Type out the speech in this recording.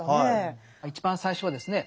一番最初はですね